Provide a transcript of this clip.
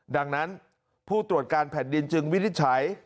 ดังนั้นผู้ตรวจการแผ่นดินจึงวินิจฉัย